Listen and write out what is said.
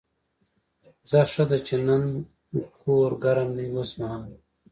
ځه ښه ده چې دننه کور ګرم دی اوسمهال.